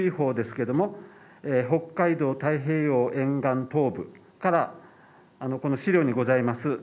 また津波注意報ですけども北海道太平洋沿岸東部からこの資料にございます